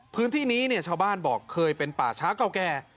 พื้นที่นี้ชาวบ้านบอกเคยเป็นป่าช้ากาวแก่